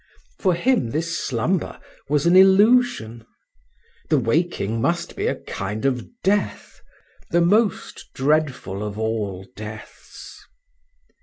For him this slumber was an illusion, the waking must be a kind of death, the most dreadful of all deaths.